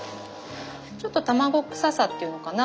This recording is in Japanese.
ちょっと卵くささっていうのかな。